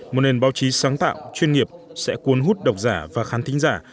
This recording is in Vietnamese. một nền báo chí sáng tạo chuyên nghiệp sẽ cuốn hút độc giả và khán thính giả